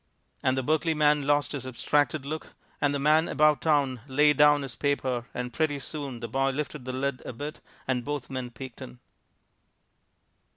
And the Berkeley man lost his abstracted look and the man about town laid down his paper and pretty soon the boy lifted the lid a bit and both men peeked in.